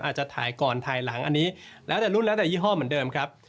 อาจจะถ่ายก่อนถ่ายหลังอันนี้แล้วแต่รุ่นแล้วแต่ยี่ห้อเหมือนเดิมครับ